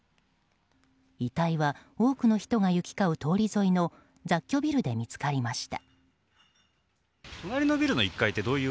遺体は多くの人が行き交う通り沿いの雑居ビルで見つかりました。